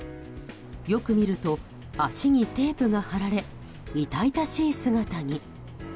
よく見ると、足にテープが貼られ痛々しい姿に。